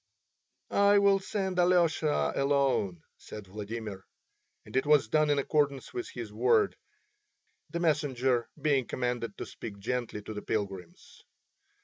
"I will send Alyosha alone," said Vladimir, and it was done in accordance with his word, the messenger being commanded to speak gently to the pilgrims.